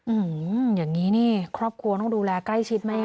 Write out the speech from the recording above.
อย่างนี้นี่ครอบครัวต้องดูแลใกล้ชิดไหม